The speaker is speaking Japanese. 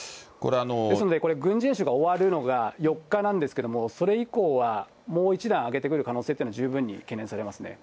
ですのでこれ、軍事演習が終わるのが４日なんですけれども、それ以降はもう一段上げてくる可能性というのは十分に懸念されま